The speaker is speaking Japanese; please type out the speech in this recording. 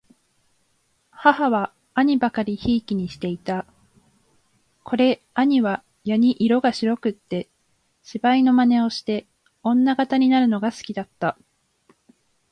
母は兄許り贔負にして居た。此兄はやに色が白くつて、芝居の真似をして女形になるのが好きだつた。